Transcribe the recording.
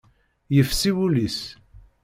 Yefsi wul-is.